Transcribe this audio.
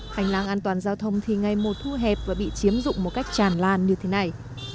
hành lang an toàn giao thông thì ngày một thu hẹp và bị chiếm dụng một cách tràn lan như thế này